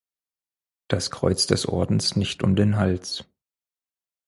Das Kreuz des Ordens nicht um den Hals.